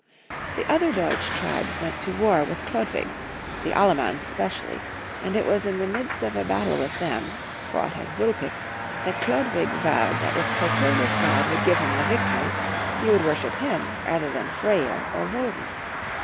The other Deutsch tribes went to war with Chlodwig, the AUe mans especially ; and it was in the midst of a battle with them, fought at Zulpich, that Chlodwig vowed that if Clotilda's God would give him the victory, he would worsliip Him rather than Freya or Woden.